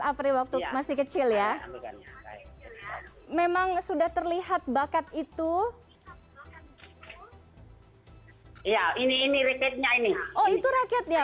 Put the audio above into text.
apri waktu masih kecil ya memang sudah terlihat bakat itu ya ini ini rakyatnya ini oh itu rakyat ya